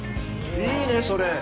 いいねそれ。